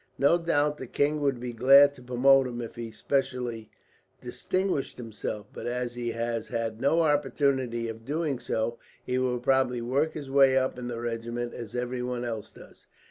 No doubt the king would be glad to promote him if he specially distinguished himself, but as he has had no opportunity of doing so, he will probably work his way up in the regiment as everyone else does."